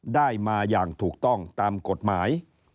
ได้มาอย่างถูกต้องตามกฎหมาย